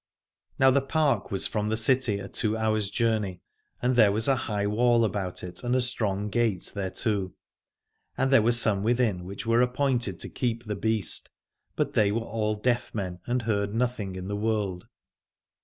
Now the park was from the city a two hours' journey, and there was a high wall about it and a strong gate thereto : and there were some within which were appointed to keep the Beast, but they were all deaf men, and heard nothing in the world.